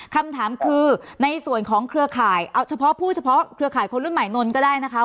คำถามคือในส่วนของเครือข่ายเอาเฉพาะผู้เฉพาะเครือข่ายคนรุ่นใหม่นนท์ก็ได้นะคะ